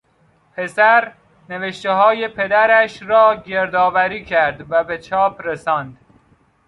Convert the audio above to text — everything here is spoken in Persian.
پسر نوشتههای پدرش را گردآوری کرد و به چاپ رساند.